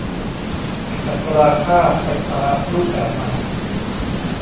อัตราค่าไฟฟ้ารูปแบบใหม่